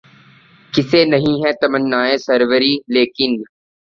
کسے نہیں ہے تمنائے سروری ، لیکن